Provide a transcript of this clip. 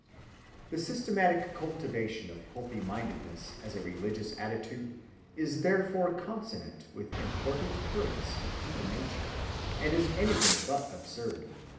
The systematic cultivation of healthy‐mindedness as a religious attitude is therefore consonant with important currents in human nature, and is anything but absurd.